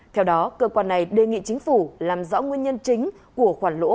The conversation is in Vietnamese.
theo đó cơ quan này đề nghị chính phủ làm rõ nguyên nhân chính của khoản lỗ